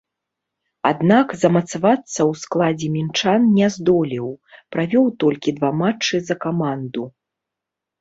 Аднак, замацавацца ў складзе мінчан не здолеў, правёў толькі два матчы за каманду.